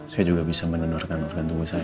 saya juga bisa menelurkan organ tubuh saya